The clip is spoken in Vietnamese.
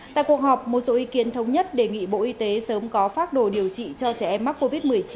tại cuộc họp một số ý kiến thống nhất đề nghị bộ y tế sớm có phác đồ điều trị cho trẻ em mắc covid một mươi chín